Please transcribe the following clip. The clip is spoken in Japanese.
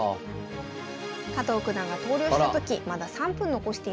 加藤九段が投了した時まだ３分残していました。